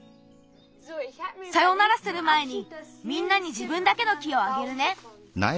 さよならするまえにみんなにじぶんだけの木をあげるね。